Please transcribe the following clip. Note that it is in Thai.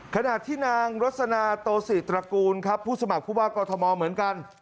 ขณะที่นางรสนาโตศิตระกูลครับผู้สมัครผู้ว่ากอทมเหมือนกัน